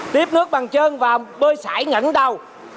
tiếp nước bằng chân và bơi sải ngẩn đầu